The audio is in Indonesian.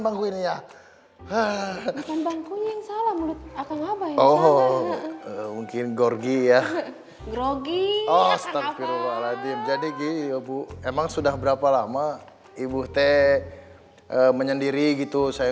bangku ini ya oh mungkin gorgi ya jadi emang sudah berapa lama ibu te menyendiri gitu saya